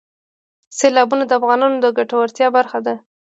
سیلابونه د افغانانو د ګټورتیا برخه ده.